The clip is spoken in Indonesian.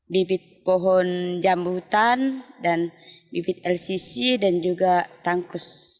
bibit pohon jambu hutan dan bibit lcc dan juga tangkus